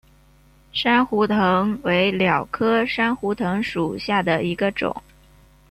珊瑚藤为蓼科珊瑚藤属下的一个种。